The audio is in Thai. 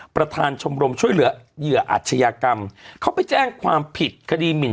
ประธานชมรมช่วยเหลือเหยื่ออาชญากรรมเขาไปแจ้งความผิดคดีหมิน